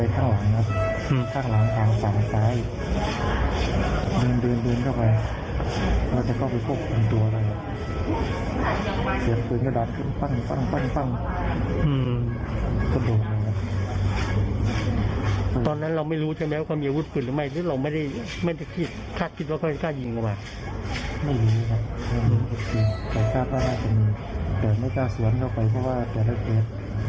แต่กล้าพระราชนินแต่ไม่กล้าสวนเข้าไปเพราะว่าแต่ละเกลียด